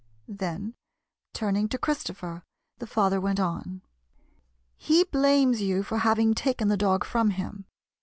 Then, turning to Christopher, the father went on :" He blames you for hav ing taken the dog from him.